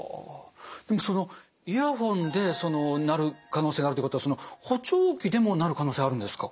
でもイヤホンでなる可能性があるっていうことは補聴器でもなる可能性あるんですか？